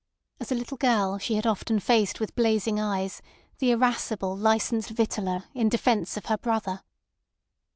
As a little girl she had often faced with blazing eyes the irascible licensed victualler in defence of her brother.